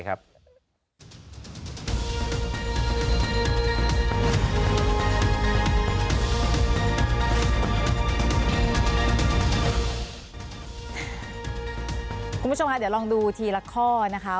คุณผู้ชมค่ะเดี๋ยวลองดูทีละข้อนะคะ